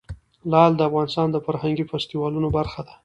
لعل د افغانستان د فرهنګي فستیوالونو برخه ده.